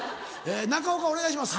中岡お願いします。